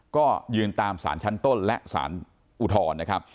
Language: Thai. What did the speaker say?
ก็ยืนตามสารชั้นต้นและสารอุทธรณ์นะครับ